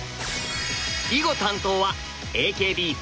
囲碁担当はＡＫＢ４８。